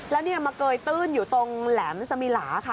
แล้วเนี่ยมาเกยตื้นอยู่ตรงแหลมสมิลาค่ะ